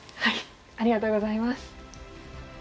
ありがとうございます。